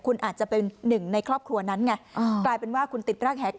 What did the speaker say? คุณอาจจะเป็นหนึ่งในครอบครัวนั้นไงอ่ากลายเป็นว่าคุณติดร่างแหก